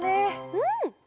うん！